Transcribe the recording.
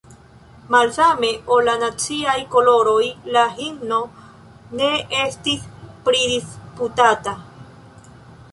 Malsame ol la naciaj koloroj, la himno ne estis pridisputata.